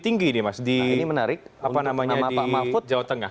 tinggi nih mas di jawa tengah